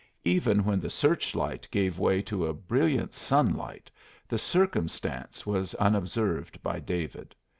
Even when the search light gave way to a brilliant sunlight the circumstance was unobserved by David.